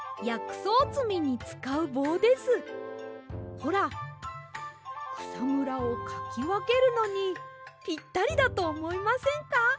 ほらくさむらをかきわけるのにぴったりだとおもいませんか？